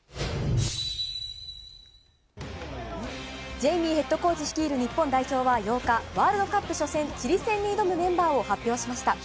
ジェイミーＨＣ率いる日本代表は８日、ワールドカップ初戦、チリ戦に挑むメンバーを発表しました。